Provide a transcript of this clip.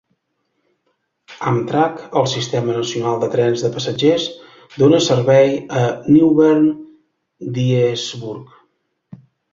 Amtrak, el sistema nacional de trens de passatgers, dona servei a Newbern-Dyesburg.